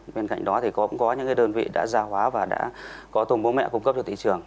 bên cạnh đó cũng có những đơn vị đã gia hóa và có tôm bú mẹ cung cấp cho thị trường